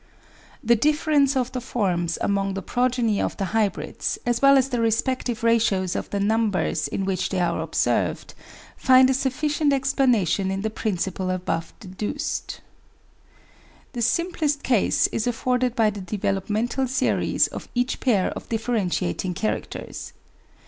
The difference of the forms among the progeny of the hybrids, as well as the respective ratios of the numbers in which they are observed, find a sufficient explanation in the principle above deduced. The simplest case is afforded by the developmental series of each pair of differentiating characters.